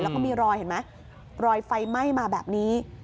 แล้วก็มีรอยเห็นไหมรอยไฟไหม้มาแบบนี้